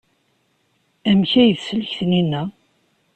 Amek ay teslek Taninna?